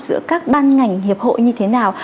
giữa các ban ngành hiệp hội như thế nào